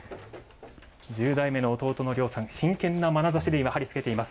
１０代目の弟の諒さん、真剣なまなざしで今、貼り付けています。